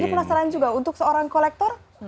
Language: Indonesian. jadi penasaran juga untuk seorang kolektor